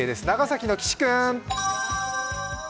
長崎の岸君。